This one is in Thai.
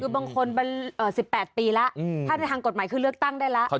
คือบางคนมัน๑๘ปีแล้วถ้าในทางกฎหมายคือเลือกตั้งได้แล้ว